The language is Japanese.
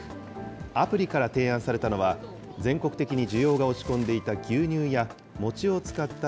アプリから提案されたのは、全国的に需要が落ち込んでいた、牛乳餅？